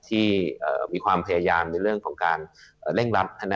ที่มีความพยายามในเรื่องของการเร่งรัด